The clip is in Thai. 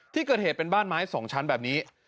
ที่เกิดเหตุเป็นบ้านไม้๒ชั้นแบบนี้